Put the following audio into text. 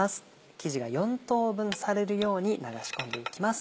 生地が４等分されるように流し込んでいきます。